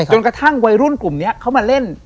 จนกระทั่งวัยรุ่นกลุ่มนี้เขามาเล่น